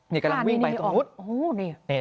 นี่กำลังวิ่งไปตรงนู้น